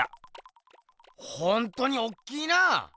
ほんとにおっきいな！